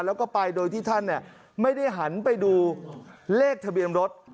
แล้วก็ไปโดยที่ท่านไม่ได้หันไปดูเลขทะเบียนรถ